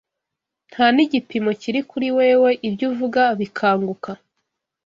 nta n'igipimo kiri kuri wewe, ibyo uvuga bikaguka